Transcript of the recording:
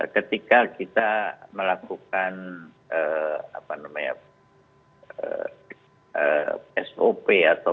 ketika kita melakukan sop